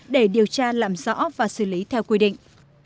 để điều tra làm rõ và xử lý theo quy định